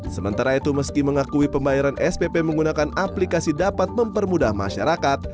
sementara itu meski mengakui pembayaran spp menggunakan aplikasi dapat mempermudah masyarakat